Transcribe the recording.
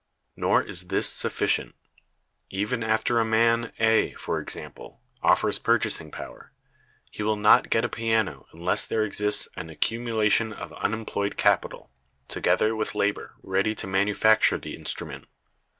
Nor is this sufficient. Even after a man, A, for example, offers purchasing power, he will not get a piano unless there exists an accumulation of unemployed capital, together with labor ready to manufacture the instrument.